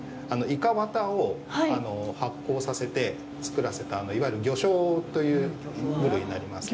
イカワタを発酵させて作らせた、いわゆる魚醤という部類になります。